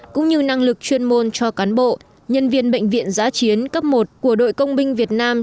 cũng như năng lực chuyên môn cho cán bộ nhân viên bệnh viện giã chiến cấp một của đội công binh việt nam